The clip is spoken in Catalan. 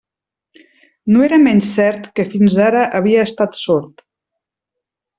No era menys cert que fins ara havia estat sord.